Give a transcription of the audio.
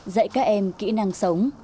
dạy các em kỹ năng sống